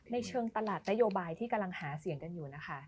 ในเชิงตลาดนโยบายที่กำลังหาเสียงกันอยู่นะคะ